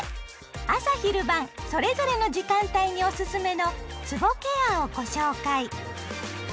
朝・昼・晩それぞれの時間帯におすすめのつぼケアをご紹介。